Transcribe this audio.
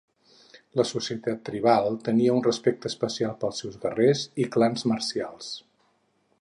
La societat tribal tenia un respecte especial pels seus guerrers i clans marcials.